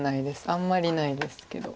あんまりないですけど。